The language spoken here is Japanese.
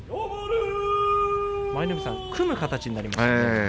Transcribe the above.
舞の海さん、組む形になりましたね。